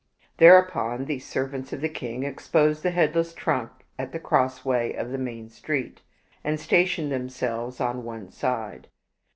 Thereupon those servants of the king exposed the headless trunk at the crossway of the main street, and stationed themselves on one side.